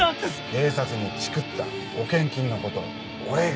警察にチクった保険金のこと俺が。